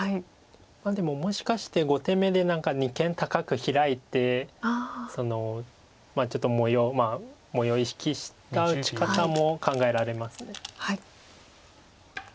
でももしかして５手目で何か二間高くヒラいてちょっと模様を意識した打ち方も考えられます。